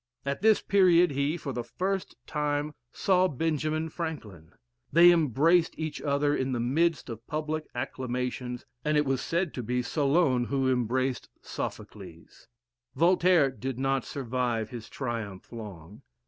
At this period he, for the first time, saw Benjamin Franklin. They embraced each other in the midst of public acclamations, and it was said to be Solon who embraced Sophocles. Voltaire did not survive his triumph long.